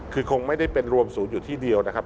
คือคงไม่ได้เป็นรวมศูนย์อยู่ที่เดียวนะครับ